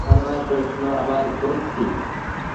আমার প্রশ্ন আবার করছি।